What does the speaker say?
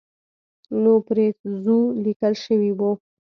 نو پرې ځو لیکل شوي وو.